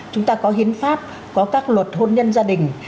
chúng ta có hiến pháp có các luật hôn nhân gia đình